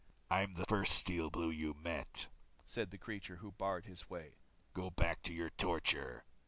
"I'm the first Steel Blue you met," said the creature who barred his way. "Go back to your torture."